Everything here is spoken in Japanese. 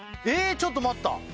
ちょっと待った！